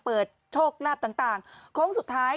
โชคลาภต่างโค้งสุดท้าย